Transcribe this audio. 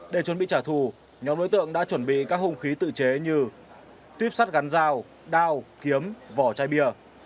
để chuẩn bị trả thù nhóm đối tượng đã chuẩn bị các hung khí tự chế như tuyếp sắt gắn dao đao kiếm vỏ chai bia